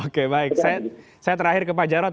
oke baik saya terakhir ke pak jarod